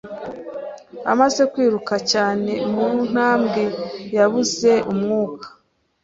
Amaze kwiruka cyane mu ntambwe, yabuze umwuka.